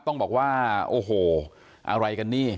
ต้องบอกว่าโอ้โหอะไรกันนี่